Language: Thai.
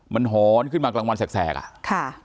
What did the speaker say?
มันหอนขึ้นมากลางวันแสกอ่ะค่ะ